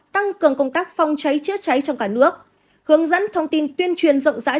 tăng cường công tác phong cháy chứa cháy trong cả nước hướng dẫn thông tin tuyên truyền rộng rãi